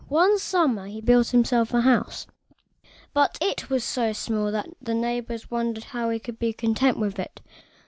One summer he built himself a house, but it was so small that his neighbors wondered how he could be content with it.